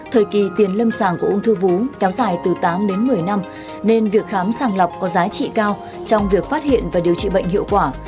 thời kỳ tiền lâm sàng của ung thư vú kéo dài từ tám đến một mươi năm nên việc khám sàng lọc có giá trị cao trong việc phát hiện và điều trị bệnh hiệu quả